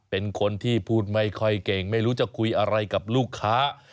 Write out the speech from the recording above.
เป็นคนที่พูดไม่ค่อยเก่งไม่รู้จะคุยอะไรกับลูกค้า